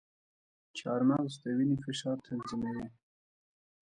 چارمغز د وینې فشار تنظیموي.